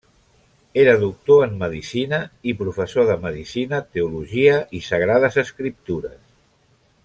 Era doctor en Medicina i professor de medicina, teologia i sagrades escriptures.